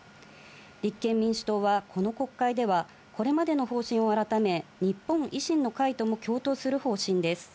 立憲民主党はこの国会ではこれまでの方針を改め、日本維新の会とも共闘する方針です。